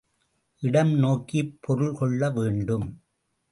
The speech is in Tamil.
இடம் நோக்கிப் பொருள் கொள்ளவேண்டும்.